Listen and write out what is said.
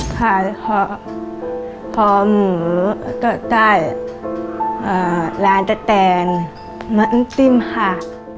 ภาคภอมือต่อใต้อ่าร้านตะแทนมันติ้มหัก